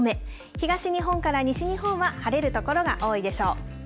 東日本から西日本は晴れる所が多いでしょう。